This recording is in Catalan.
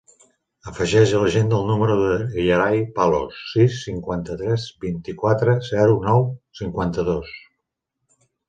Afegeix a l'agenda el número del Yeray Palos: sis, cinquanta-tres, vint-i-quatre, zero, nou, cinquanta-dos.